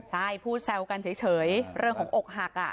ใช่พูดแซวกันเฉยเรื่องของอกหัก